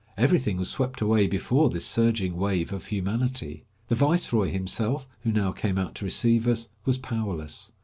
Everything was swept away before this surging wave of humanity. The viceroy himself, who now came out to receive us, was powerless.